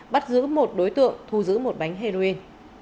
bắt giữ một đối tượng thu giữ một bánh heroin